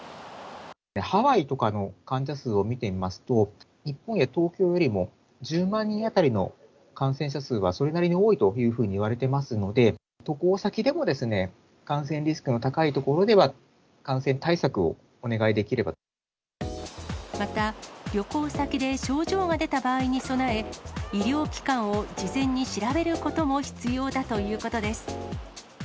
ハワイとかの患者数を見てみますと、日本や東京よりも１０万人当たりの感染者数は、それなりに多いというふうにいわれていますので、また、旅行先で症状が出た場合に備え、医療機関を事前に調べることも必要だということです。